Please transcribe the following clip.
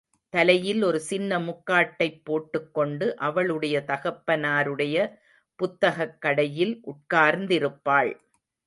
தலையில் ஒரு சின்ன முக்காட்டைப் போட்டுக் கொண்டு அவளுடைய தகப்பனாருடைய புத்தகக் கடையில் உட்கார்ந்திருப்பாள்.